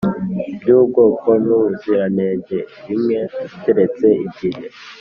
by ubwoko n ubuziranenge bimwe keretse igihe